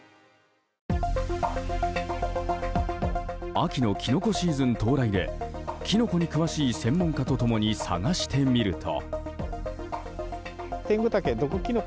秋のキノコシーズン到来でキノコに詳しい専門家と共に探してみると。